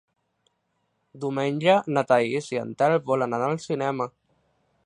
Diumenge na Thaís i en Telm volen anar al cinema.